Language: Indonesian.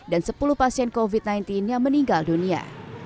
dan sepuluh pasien covid sembilan belas yang meninggal dunia